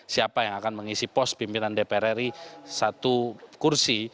siapa yang akan mengisi pos pimpinan dpr ri satu kursi